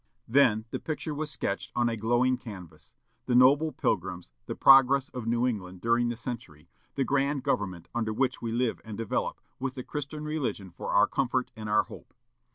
Then the picture was sketched on a glowing canvas; the noble Pilgrims; the progress of New England during the century; the grand government under which we live and develop, with the Christian religion for our comfort and our hope.